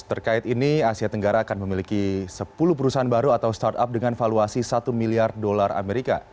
terkait ini asia tenggara akan memiliki sepuluh perusahaan baru atau startup dengan valuasi satu miliar dolar amerika